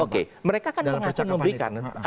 oke mereka kan mengaku memberikan